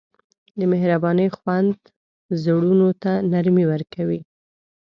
د مهربانۍ خوند زړونو ته نرمي ورکوي.